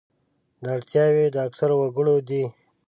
دا اړتیاوې د اکثرو وګړو دي.